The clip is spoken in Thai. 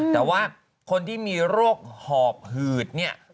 แต่ว่าคนที่มีโรคหอบหืดเนี่ย